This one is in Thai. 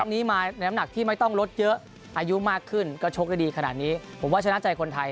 นี้มาน้ำหนักที่ไม่ต้องลดเยอะอายุมากขึ้นก็ชกได้ดีขนาดนี้ผมว่าชนะใจคนไทย